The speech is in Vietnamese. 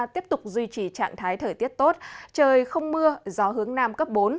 tiếp tục duy trì trạng thái thời tiết tốt trời không mưa gió hướng nam cấp bốn